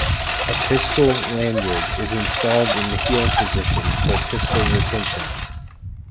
A pistol lanyard is installed in the heel position for pistol retention.